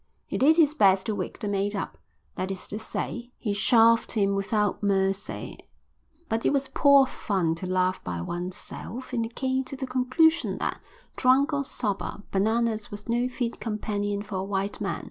He did his best to wake the mate up, that is to say, he chaffed him without mercy, but it was poor fun to laugh by oneself, and he came to the conclusion that, drunk or sober, Bananas was no fit companion for a white man.